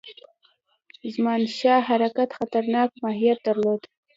زمانشاه حرکت خطرناک ماهیت درلود.